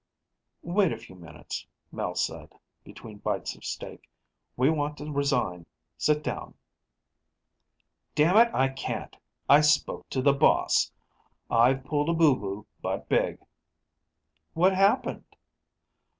"Wait a few minutes," Mel said, between bites of steak, "we want to resign. Sit down." "Damn it, I can't! I spoke to The Boss. I've pulled a boo boo, but big." "What happened?"